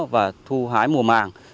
và thu hái mùa màng